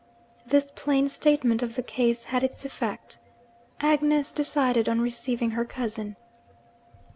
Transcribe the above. This plain statement of the case had its effect. Agnes decided on receiving her cousin.